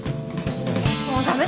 もうダメだ。